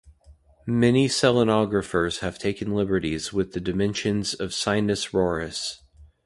Many selenographers have taken liberties with the dimensions of Sinus Roris.